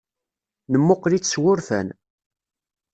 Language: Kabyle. Nemmuqqel-itt s wurfan.